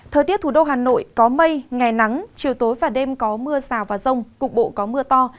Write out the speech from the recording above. thời tiết thủ đô hà nội có mây ngày nắng chiều tối và đêm có mưa rào và rông cục bộ có mưa to